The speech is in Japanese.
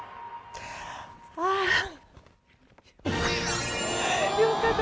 あっよかった